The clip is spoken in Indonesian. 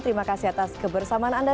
terima kasih atas kebersamaan anda